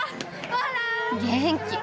元気！